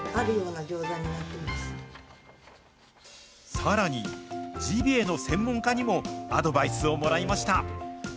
さらに、ジビエの専門家にもアドバイスをもらいました。